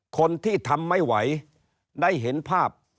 คนที่ทำไม่ไหวได้เห็นภาพ